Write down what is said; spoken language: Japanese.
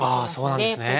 あそうなんですね。